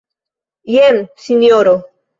Jen, Sinjoro.